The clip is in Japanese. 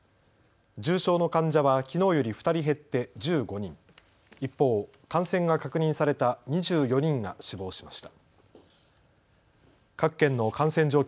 重症の患者はきのうより２人減って１５人、一方、感染が確認された２４人が死亡しました。